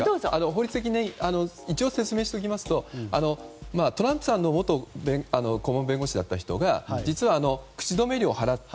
法律的に一応説明しておきますとトランプさんの元顧問弁護士だった人が実は口止め料を払った。